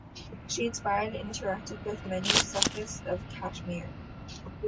She inspired and interacted with many Sufis of Kashmir.